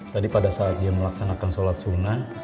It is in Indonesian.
tadi pada saat dia melaksanakan sholat sunnah